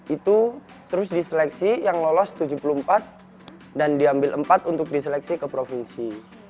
itu terus diseleksi yang lolos tujuh puluh empat dan diambil empat untuk diseleksi ke provinsi